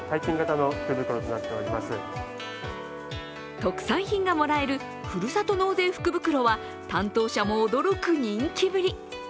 特産品がもらえるふるさと納税福袋は担当者も驚く人気ぶり。